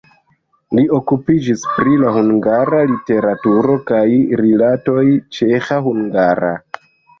Li okupiĝis pri la hungara literaturo kaj rilatoj ĉeĥa-hungara.